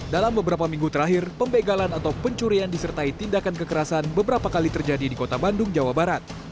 dalam beberapa minggu terakhir pembegalan atau pencurian disertai tindakan kekerasan beberapa kali terjadi di kota bandung jawa barat